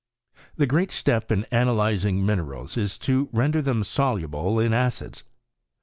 The great step in analyzing minerals is to render them soluble in acids.